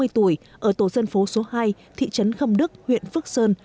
ba mươi tuổi ở tổ dân phố số hai thị trấn khâm đức huyện phước sơn